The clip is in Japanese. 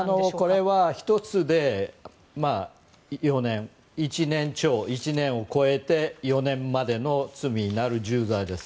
これは１つで４年１年超、１年を超えて４年までの罪になる重罪です。